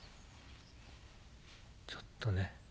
ちょっとね。